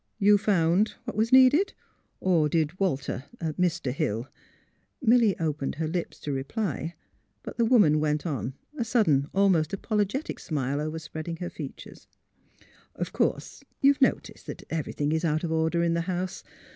'^ You — found what was needed? Or did "Walter— Mr. Hill " Milly opened her lips to reply. But the woman went on, a sudden, almost apologetic smile over spreading her features. A LITTLE JOURNEY 127 " Of course you've noticed that every tMng is out of order in the house.